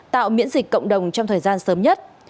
tạo miễn dịch cộng đồng trong thời gian sớm nhất